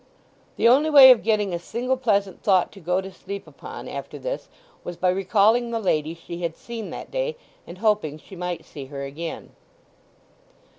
The only way of getting a single pleasant thought to go to sleep upon after this was by recalling the lady she had seen that day, and hoping she might see her again.